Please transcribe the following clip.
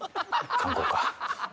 観光か。